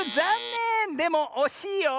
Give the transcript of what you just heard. でもおしいよ。